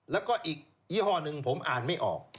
แล้วก็อีกยี่ห้อหนึ่งผมอ่านไม่ออก